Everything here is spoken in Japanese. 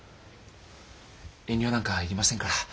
遠慮なんかいりませんから。